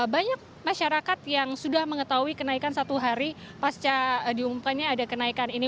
banyak masyarakat yang sudah mengetahui kenaikan satu hari pasca diumumkannya ada kenaikan ini